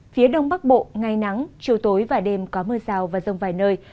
phía đông bắc bộ ngày nắng trưa tối vài đêm có mưa rào và rông vài nơi